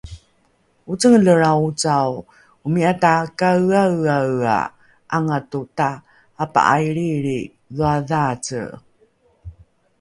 Ocengelelrao ocao, omi'ata kaeaeaea 'angato ta apa'ailrilri dhoadhaace